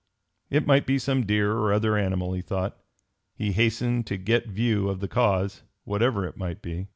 It might be some deer or other animal, he thought. He hastened to get view of the cause, whatever it might be.